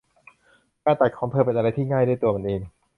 การตัดของเธอเป็นอะไรที่ง่ายด้วยตัวมันเอง